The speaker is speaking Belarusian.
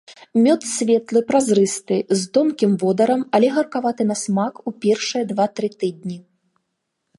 Мёд светлы, празрысты, з тонкім водарам, але гаркаваты на смак у першыя два-тры тыдні.